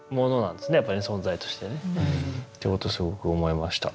やっぱり存在としてねということをすごく思いました。